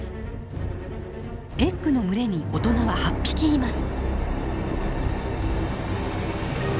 エッグの群れに大人は８匹います。